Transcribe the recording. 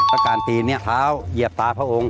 แล้วการตีนเท้าเหยียบตาพระองค์